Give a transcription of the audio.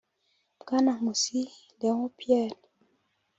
Bwana Nkusi Leon-Pierre